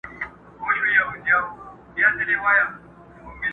د هیڅ شي یې کمی نه وو په بدن کي؛